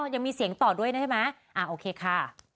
ยังมีเสียงต่อด้วยนะใช่ไหมอ่าโอเคค่ะ